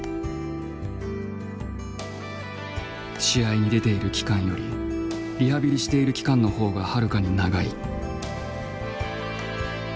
試合に出ている期間よりリハビリしている期間のほうがはるかに長い。